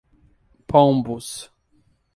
Pombos